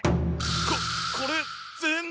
こっこれ全部！？